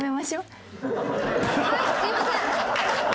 はいすみません！